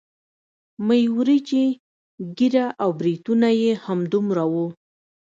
مۍ وريجې ږيره او برېتونه يې همدومره وو.